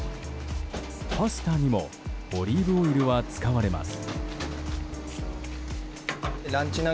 パスタにもオリーブオイルは使われます。